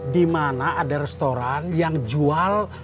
dimana ada restoran yang jual